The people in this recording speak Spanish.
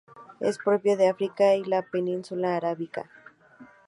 Es propio de África y la península arábiga.